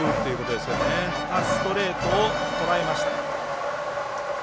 またストレートをとらえました。